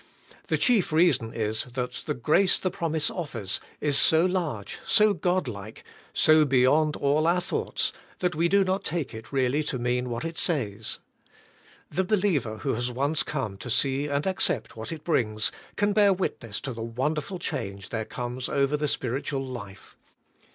The chief reason is, that the grace the promise offers is so large, so Godlike, so beyond all our thoughts, that we do not take it really to mean what it says. The believer who has once come to see and accept what it brings, can bear witness to the wonderful change there comes over the spiritual life.